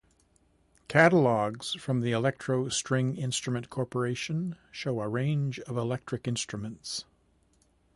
Catalogues from the Electro String Instrument Corporation show a range of electric instruments.